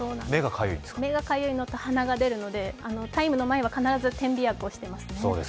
目がかゆいのとはなが出るので、「ＴＩＭＥ，」の前は必ず点鼻薬をしています。